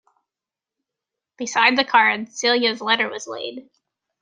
Beside the card Celia's letter was laid.